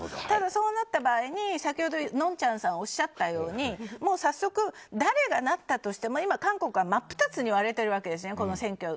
ただそうなった場合に先ほど、のんちゃんさんおっしゃったように早速、誰がなったとしても韓国は選挙で真っ二つに割れてるわけです。